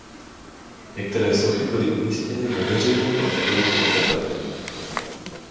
Některé sochy byly umístěny ve veřejném prostoru v Rotterdamu.